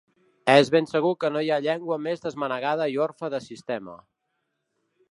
És ben segur no hi ha llengua més desmanegada i orfe de sistema